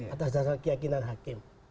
atas dasar keyakinan hakim